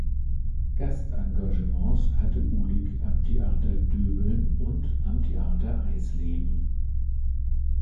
Gastengagements hatte Uhlig am Theater Döbeln und am Theater Eisleben.